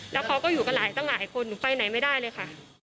แล้วเขาก็อยู่กับหลายคนหนูไปไหนไม่ได้เลยค่ะ